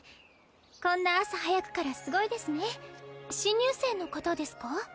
こんな朝早くからすごいですね新入生の方ですか？